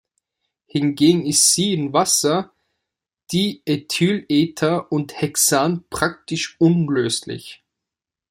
Hingegen ist sie in Wasser, Diethylether und Hexan praktisch unlöslich.